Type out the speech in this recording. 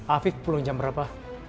afif pulang jam berapa